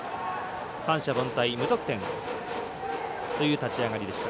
三者凡退、無得点という立ち上がりでした。